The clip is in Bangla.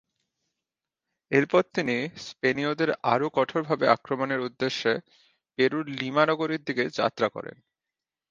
এরপর তিনি স্পেনীয়দের আরো কঠোরভাবে আক্রমণের উদ্দেশ্যে পেরুর লিমা নগরীর দিকে যাত্রা করেন।